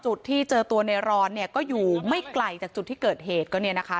จุดที่เจอตัวในรอนเนี่ยก็อยู่ไม่ไกลจากจุดที่เกิดเหตุก็เนี่ยนะคะ